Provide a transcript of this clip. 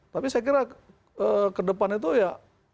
tapi saya kira ke depan itu ya